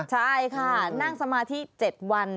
ใช่ค่ะนั่งสมาธิ๗วัน